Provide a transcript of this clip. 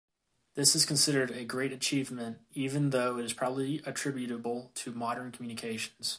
This is considered a great achievement even though it is probably attributable to modern communications.